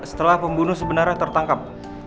setelah pembunuh sebenarnya tertangkap